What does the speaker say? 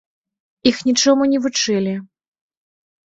Іх нічому не вучылі.